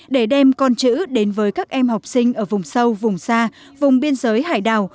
để đem con chữ đến với các em học sinh ở vùng sâu vùng xa vùng biên giới hải đảo